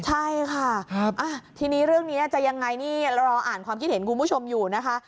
ใช่ค่ะทีนี้เรื่องนี้จะยังไงนี่รออ่านความคิดเห็นคุณผู้ชมอยู่นะคะ